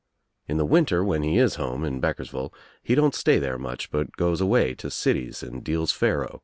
In the winter when he is home in Beck ersville he don't stay there much but goes away to cities and deals faro.